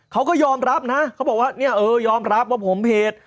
เขาก็ยอมรับนะเขาบอกว่ายอมรับว่าผมเหตุ